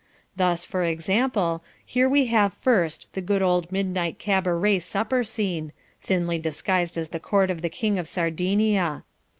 Thus, for example, here we have first the good old midnight cabaret supper scene thinly disguised as the court of the King of Sardinia.